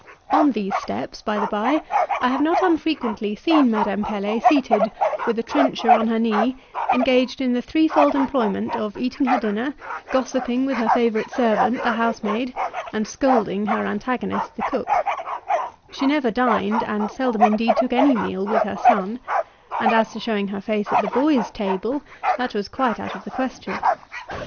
On these steps, by the by, I have not unfrequently seen Madame Pelet seated with a trencher on her knee, engaged in the threefold employment of eating her dinner, gossiping with her favourite servant, the housemaid, and scolding her antagonist, the cook; she never dined, and seldom indeed took any meal with her son; and as to showing her face at the boys' table, that was quite out of the question.